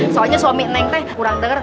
soalnya suami nenek kurang denger